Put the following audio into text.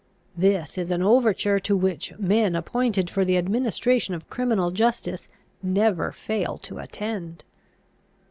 This is an overture to which men appointed for the administration of criminal justice never fail to attend.